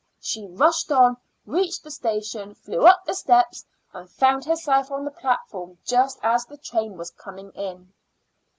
She rushed on, reached the station, flew up the steps, and found herself on the platform just as the train was coming in.